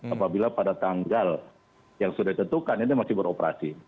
apabila pada tanggal yang sudah ditentukan itu masih beroperasi